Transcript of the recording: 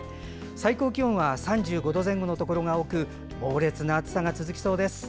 最高気温は３５度前後のところが多く猛烈な暑さが続きそうです。